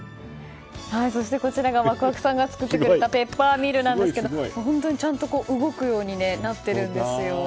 そして、こちらがワクワクさんが作ってくれたペッパーミルなんですが本当にちゃんと動くようになっているんですよ。